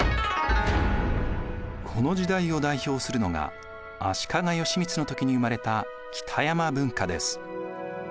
この時代を代表するのが足利義満の時に生まれた北山文化です。